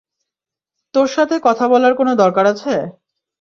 তোর সাথে কথা বলার কোনো দরকার আছে?